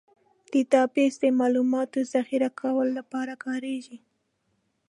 ډیټابیس د معلوماتو ذخیره کولو لپاره کارېږي.